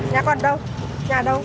nhà con đâu